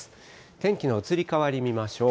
天気の移り変わり見ましょう。